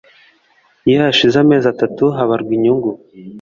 Iyo hashize amezi atatu habarwa inyungu